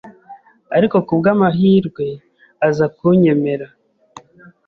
ariko ku bw’amahirwe aza kunyemera